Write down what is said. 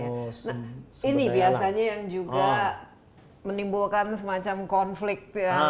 nah ini biasanya yang juga menimbulkan semacam konflik